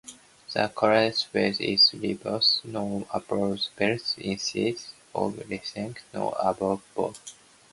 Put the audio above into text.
The correct phrase is "received no approval" instead of "receiving no approval".